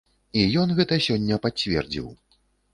І ён гэта сёння пацвердзіў.